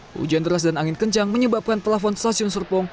hujan deras dan angin kencang menyebabkan pelafon stasiun serpong